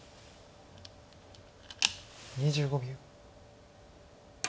２５秒。